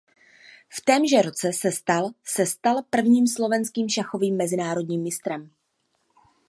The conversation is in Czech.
V témže roce se stal se stal prvním slovenským šachovým mezinárodním mistrem.